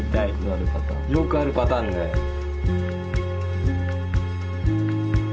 よくあるパターンだよ。